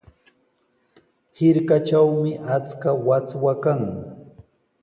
Hirkatrawmi achka wachwa kan.